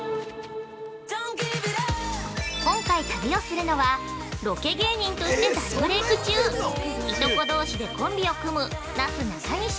今回、旅をするのはロケ芸人として大ブレーク中いとこどうしでコンビを組むなすなかにし。